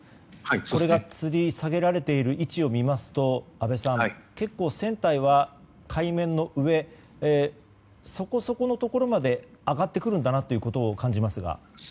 あれがつり下げられている位置を見ますと安倍さん、結構船体は海面の上そこそこのところまで上がってくるかなと感じますが。